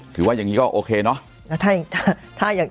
ถือว่าอย่างนี้ก็โอเคเนอะ